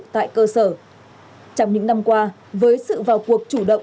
tại cơ sở trong những năm qua với sự vào cuộc chủ động